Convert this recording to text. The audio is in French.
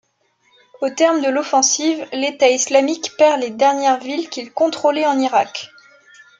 Au terme de l'offensive, l'État islamique perd les dernières villes qu'il contrôlait en Irak.